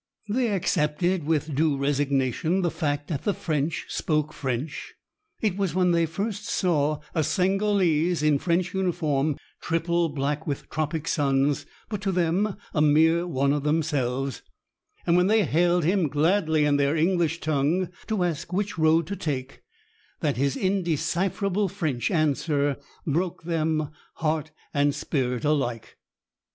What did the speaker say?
They accepted with due resignation the fact that the French spoke French. It was when they first saw a Senegalese in French uniform, triple black with tropic suns, but to them a mere one of themselves, and when they hailed him gladly in their English tongue, to ask which road to take, that his indecipherable French answer broke them, heart and spirit alike.